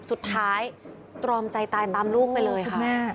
ตรอมใจตายตามลูกไปเลยค่ะ